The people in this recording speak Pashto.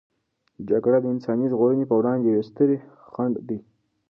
جګړه د انساني ژغورنې په وړاندې یوې سترې خنډ دی.